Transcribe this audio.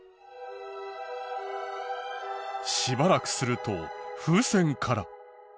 しばらくすると風船から。